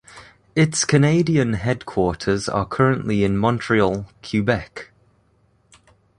Its Canadian headquarters are currently in Montreal, Quebec.